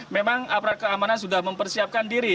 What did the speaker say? memang aparat keamanan sudah mempersiapkan diri